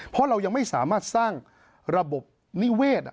เพราะเรายังไม่สามารถสร้างระบบนิเวศ